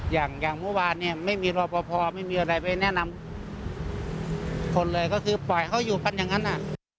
อย่างอย่างเมื่อวานเนี่ยไม่มีรอปภไม่มีอะไรไปแนะนำคนเลยก็คือปล่อยเขาอยู่กันอย่างนั้นอ่ะ